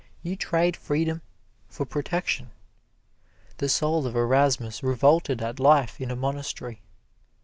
You trade freedom for protection. The soul of Erasmus revolted at life in a monastery.